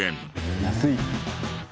安い。